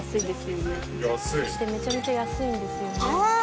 そしてめちゃめちゃ安いんですよね